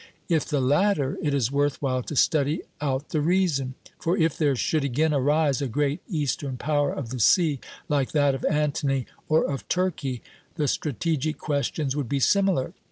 If the latter, it is worth while to study out the reason; for if there should again arise a great eastern power of the sea like that of Antony or of Turkey, the strategic questions would be similar.